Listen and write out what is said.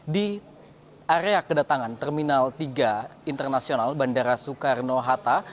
di area kedatangan terminal tiga internasional bandara soekarno hatta